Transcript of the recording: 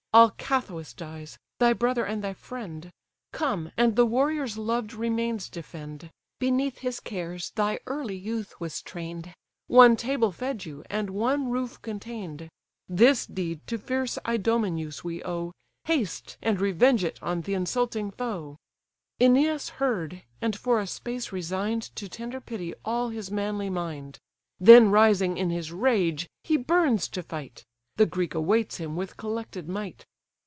Alcathous dies, thy brother and thy friend; Come, and the warrior's loved remains defend. Beneath his cares thy early youth was train'd, One table fed you, and one roof contain'd. This deed to fierce Idomeneus we owe; Haste, and revenge it on th' insulting foe." Æneas heard, and for a space resign'd To tender pity all his manly mind; Then rising in his rage, he burns to fight: The Greek awaits him with collected might.